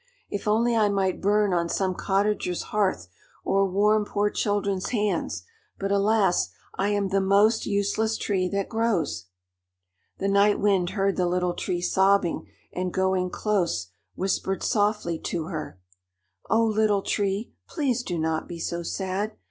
If only I might burn on some cottager's hearth or warm poor children's hands; but alas, I am the most useless tree that grows!" The Night Wind heard the Little Tree sobbing, and going close, whispered softly to her: "Oh, Little Tree, please do not be so sad.